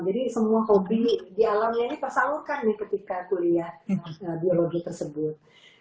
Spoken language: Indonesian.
jadi semua hobi di alam ini tersalurkan nih ketika kuliah biologi tersebut